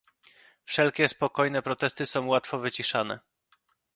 Wszelkie spokojne protesty są łatwo wyciszane